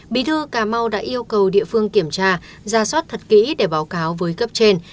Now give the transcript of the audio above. bí thư cà mau đã yêu cầu địa phương kiểm tra ra soát thật kỹ để báo cáo với cấp trên